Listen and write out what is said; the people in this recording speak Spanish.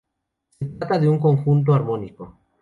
Se trata de un conjunto armónico.